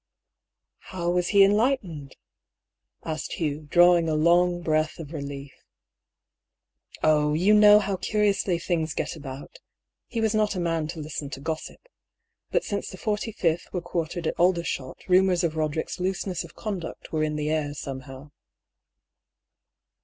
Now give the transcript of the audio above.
" How was he enlightened ?" asked Hugh, drawing a long breath of relief. " Oh ! you know how curiously things get about. He was not a man to listen to gossip. But since the 45th were quartered at Aldershot rumours of Roderick's looseness of conduct were in the air somehow."